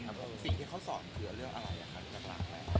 สิ่งที่เค้าสอนคือเรื่องอะไรอะคะนักหลากแม่